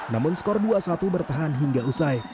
namun skor dua satu bertahan hingga usai